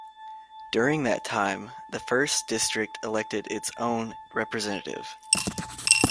During that time, the first district elected its own representative.